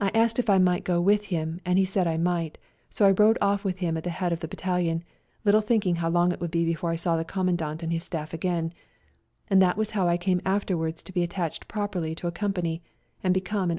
I asked if I might go with him, and he said I might ; so I rode off ^ with him at the head of the battalion, ^ little thinking how long it would be ] before I saw the Commandant and his staff again, and that was how I came ,j afterwards to be attached properly to a ; company, and became